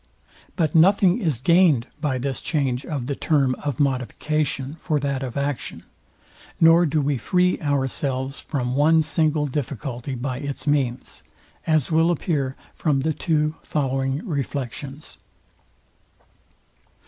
But nothing is gained by this change of the term of modification, for that of action; nor do we free ourselves from one single difficulty by its means; as will appear from the two following reflexions.